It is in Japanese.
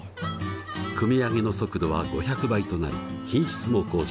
組み上げの速度は５００倍となり品質も向上。